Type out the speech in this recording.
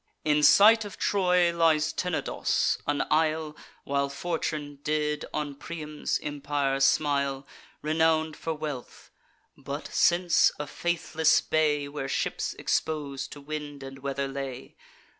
In sight of Troy lies Tenedos, an isle (While Fortune did on Priam's empire smile) Renown'd for wealth; but, since, a faithless bay, Where ships expos'd to wind and weather lay.